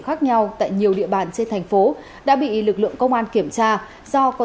khác nhau tại nhiều địa bàn trên thành phố đã bị lực lượng công an kiểm tra do có